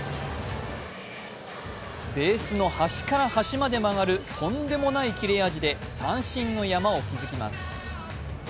ベースの端から端まで曲がるとんでもない切れ味で三振の山を築きます。